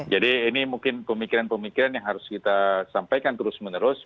jadi ini mungkin pemikiran pemikiran yang harus kita sampaikan terus menerus